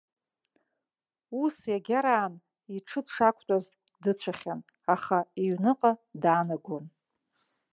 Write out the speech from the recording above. Ус иагьараан иҽы дшақәтәаз дыцәахьан, аха иҩныҟа даанагон.